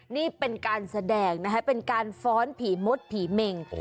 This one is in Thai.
นี่เป็นการแสดงนะคะเป็นการฟ้อนผีมดผีเมง